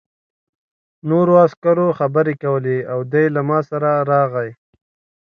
نورو عسکرو خبرې کولې او دی له ما سره راغی